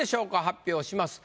発表します。